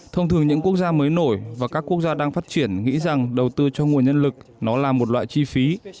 thông thường những quốc gia mới nổi và các quốc gia đang phát triển nghĩ rằng đầu tư cho nguồn nhân lực nó là một loại chi phí